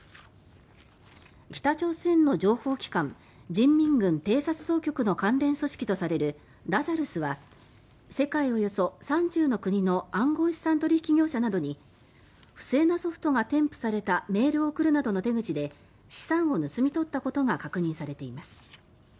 北朝鮮の情報機関人民軍偵察総局の関連組織とされるラザルスは世界およそ３０の国の暗号資産取引業者などに不正なソフトが添付されたメールを送るなどの手口で資産を盗み取ったことが確認されています。